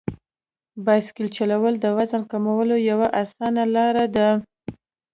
بایسکل چلول د وزن کمولو یوه اسانه لار ده.